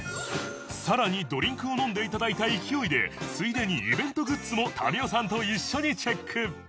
さらにドリンクを飲んで頂いた勢いでついでにイベントグッズも民生さんと一緒にチェック！